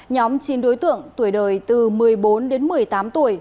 nhóm chín đối tượng tuổi đời từ một mươi bốn đến một mươi tám tuổi